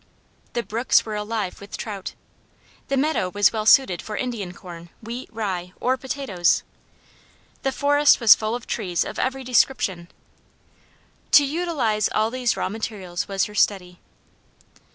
The brooks were alive with trout. The meadow was well suited for Indian corn, wheat, rye, or potatoes. The forest was full of trees of every description. To utilize all these raw materials was her study.